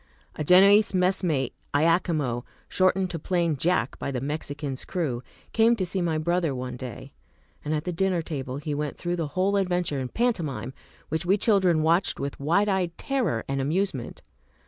A Genoese messmate, Iachimo, shortened to plain "Jack" by the "Mexican's" crew, came to see my brother one day, and at the dinner table he went through the whole adventure in pantomime, which we children watched with wide eyed terror and amusement.